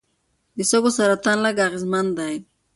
د سږو سرطان لږ اغېزمن دی.